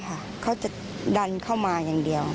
เขาจะดันเข้ามาอย่างเดียว